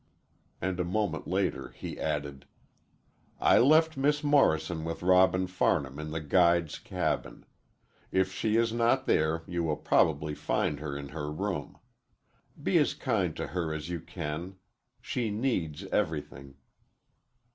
And a moment later he added: "I left Miss Morrison with Robin Farnham in the guide's cabin. If she is not there you will probably find her in her room. Be as kind to her as you can. She needs everything."